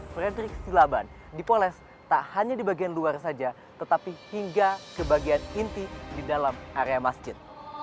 frederick silaban dipoles tak hanya di bagian luar saja tetapi hingga ke bagian inti di dalam area masjid